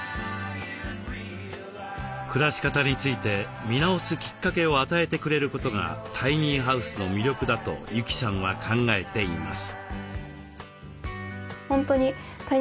暮らし方について見直すきっかけを与えてくれることがタイニーハウスの魅力だと由季さんは考えています。